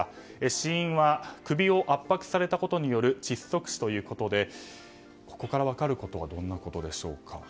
死因は首を圧迫されたことによる窒息死ということでここから分かることはどんなことでしょうか。